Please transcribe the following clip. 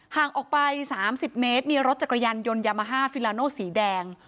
ห่างออกไป๓๐เมตรมีรถจักรยานยนต์ยามาฮาฟิลาโนสีแดง